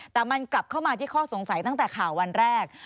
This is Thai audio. แต่มันกลับเข้ามาที่ข้อสงสัยตั้งแต่ข่าววันแรก